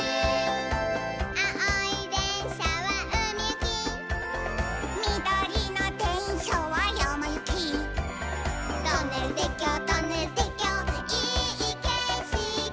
「あおいでんしゃはうみゆき」「みどりのでんしゃはやまゆき」「トンネルてっきょうトンネルてっきょういいけしき」